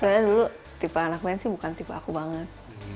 soalnya dulu tipe anak main sih bukan tipe aku banget